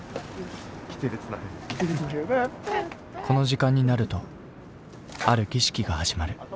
この時間になるとある儀式が始まる。